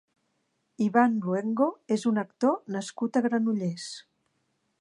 Iván Luengo és un actor nascut a Granollers.